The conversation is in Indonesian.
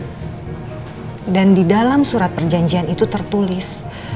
hai dan di dalam surat perjanjian itu tertulis